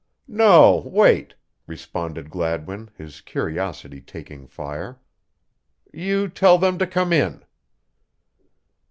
"No, wait," responded Gladwin, his curiosity taking fire. "You tell them to come in."